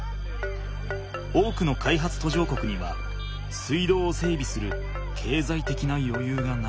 多くの開発途上国には水道を整備する経済的なよゆうがない。